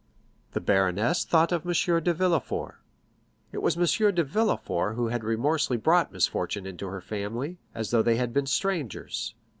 The baroness then thought of M. de Villefort. It was M. de Villefort who had remorselessly brought misfortune into her family, as though they had been strangers.